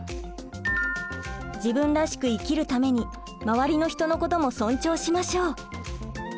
自分らしく生きるために周りの人のことも尊重しましょう。